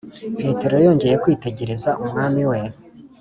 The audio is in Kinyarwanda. petero yongeye kwitegereza umwami we,